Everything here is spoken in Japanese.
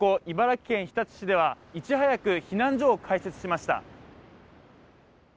茨城県日立市ではいち早く避難所を開設しました。